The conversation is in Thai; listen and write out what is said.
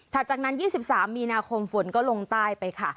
จากนั้น๒๓มีนาคมฝนก็ลงใต้ไปค่ะ